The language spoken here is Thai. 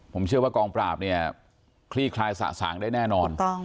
ผมเชื่อว่ากองปราบเนี่ยคลี่คลายสะสางได้แน่นอน